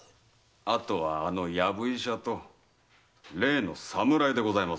あとはあのやぶ医者と例の侍でございますな。